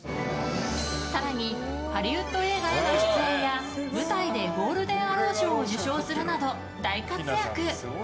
更に、ハリウッド映画の出演や舞台でゴールデン・アロー賞を受賞するなど大活躍。